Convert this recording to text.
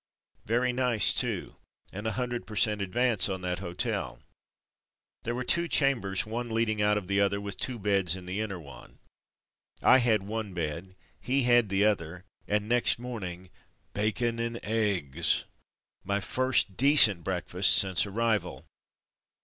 Very nice too, and a hundred per cent, advance on that ''hotel. V There were two chambers, one leading out of the other with two beds in the inner one; I had one bed, he had the other, and next morning — bacon and eggs! My first decent breakfast since arrival